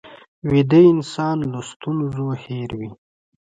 ویده انسان له ستونزو هېر وي